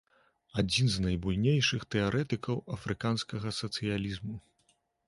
Адзін з найбуйнейшых тэарэтыкаў афрыканскага сацыялізму.